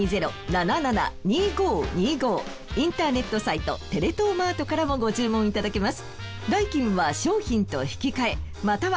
インターネットサイトテレ東マートからもご注文いただけます。